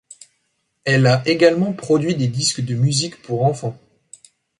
Elle a également produit des disques de musique pour enfants.